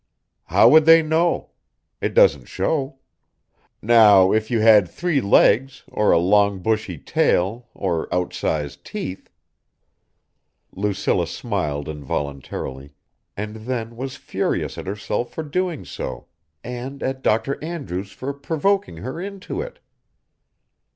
"How would they know? It doesn't show. Now if you had three legs, or a long bushy tail, or outsized teeth...." Lucilla smiled involuntarily, and then was furious at herself for doing so and at Dr Andrews for provoking her into it.